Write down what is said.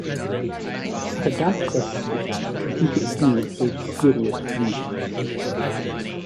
At a dance festival, the Duke experiences various dreams.